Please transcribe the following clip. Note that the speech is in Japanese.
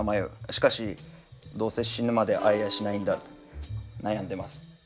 しかしどうせ死ぬまで逢えやしないんだと悩んでます。